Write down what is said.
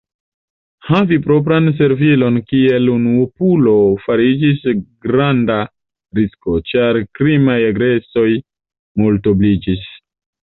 Havi propran servilon kiel unuopulo fariĝis granda risko, ĉar krimaj agresoj multobliĝis.